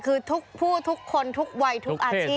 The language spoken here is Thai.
คือทุกผู้ทุกคนทุกวัยทุกอาชีพ